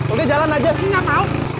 udah jalan aja